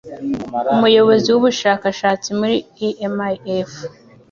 Umuyobozi w'ubushakashatsi muri IMF,